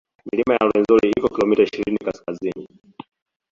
Milima ya Rwenzori iko kilomita ishirini kaskazini